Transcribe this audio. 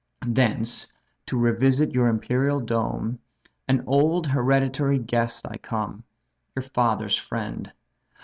Thence to revisit your imperial dome, An old hereditary guest I come; Your father's friend.